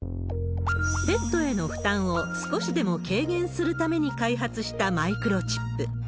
ペットへの負担を少しでも軽減するために開発したマイクロチップ。